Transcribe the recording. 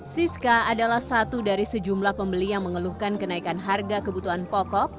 siska adalah satu dari sejumlah pembeli yang mengeluhkan kenaikan harga kebutuhan pokok